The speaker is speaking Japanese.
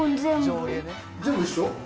全部一緒？